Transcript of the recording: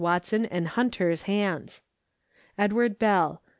Watson and Hunter's hands. EDWARD BELL.